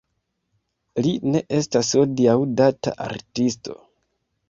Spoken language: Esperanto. Li ne estas hodiaŭ-data artisto.